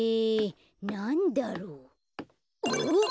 なんだろう？おっ！